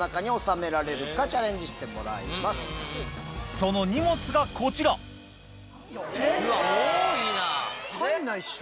その荷物がこちら入んないっしょ。